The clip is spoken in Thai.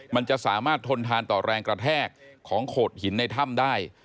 มันจะสามารถทนทานต่อแรงกระแทกของโขดหินในถ้ำได้